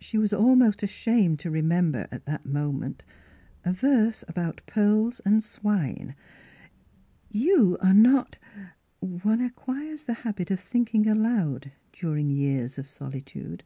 She was almost ashamed to remember at that moment a verse about pearls and swine. " You are not —" One acquires the habit of thinking aloud during years of solitude.